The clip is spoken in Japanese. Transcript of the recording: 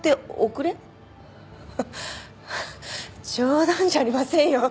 ハハ冗談じゃありませんよ。